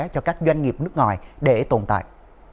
cho các doanh nghiệp nước ngoài để tồn tại